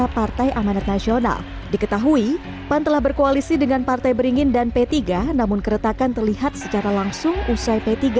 pan telah berkoalisi dengan partai beringin dan p tiga namun keretakan terlihat secara langsung usai p tiga